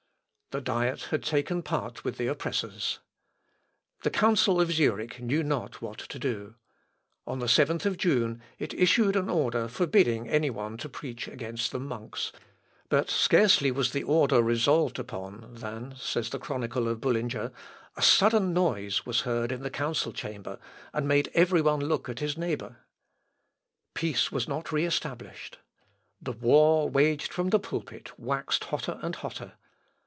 The Diet had taken part with the oppressors. The council of Zurich knew not what to do. On the 7th of June, it issued an order forbidding any one to preach against the monks, "but scarcely was the order resolved upon, than," says the chronicle of Bullinger, "a sudden noise was heard in the council chamber, and made every one look at his neighbour." Peace was not re established. The war waged from the pulpit waxed hotter and hotter.